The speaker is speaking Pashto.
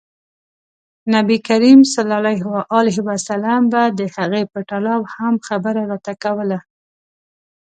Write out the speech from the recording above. نبي کریم ص به د هغې په تړاو هم خبره راته کوله.